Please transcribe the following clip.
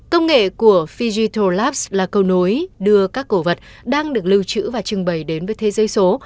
công nghệ của figital laps là câu nối đưa các cổ vật đang được lưu trữ và trưng bày đến với thế giới số